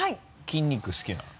筋肉好きなの？